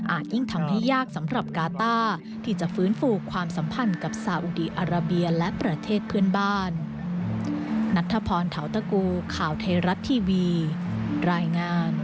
ยิ่งทำให้ยากสำหรับกาต้าที่จะฟื้นฟูความสัมพันธ์กับสาอุดีอาราเบียและประเทศเพื่อนบ้าน